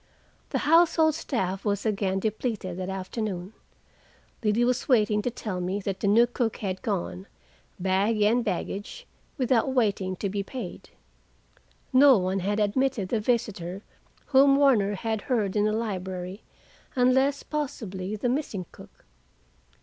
The household staff was again depleted that afternoon. Liddy was waiting to tell me that the new cook had gone, bag and baggage, without waiting to be paid. No one had admitted the visitor whom Warner had heard in the library, unless, possibly, the missing cook.